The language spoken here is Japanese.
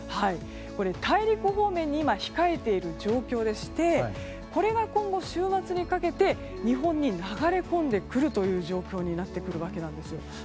大陸方面に今、控えている状況でしてこれが今後、週末にかけて日本に流れ込んでくる状況になってくるわけなんです。